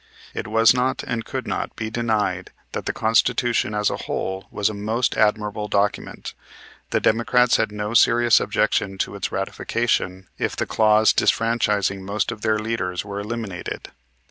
It was not and could not be denied that the Constitution as a whole was a most admirable document. The Democrats had no serious objection to its ratification if the clause disfranchising most of their leaders were eliminated.